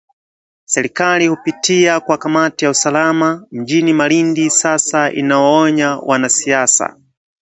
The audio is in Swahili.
Serikali kupitia kwa kamati ya usalama mjini Malindi sasa inawaonya wanasiasa